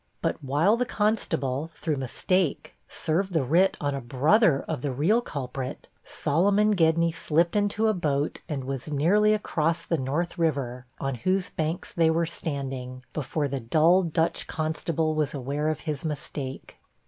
But while the constable, through mistake, served the writ on a brother of the real culprit, Solomon Gedney slipped into a boat, and was nearly across the North River, on whose banks they were standing, before the dull Dutch constable was aware of his mistake.